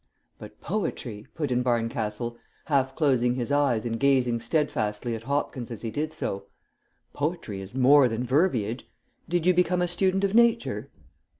"But poetry," put in Barncastle, half closing his eyes and gazing steadfastly at Hopkins as he did so, "poetry is more than verbiage. Did you become a student of nature?"